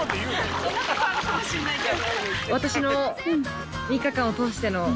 そんなことあるかもしれないけど。